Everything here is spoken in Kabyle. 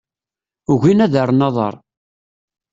Ugin ad rren aḍar.